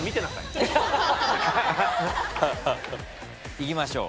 いきましょう。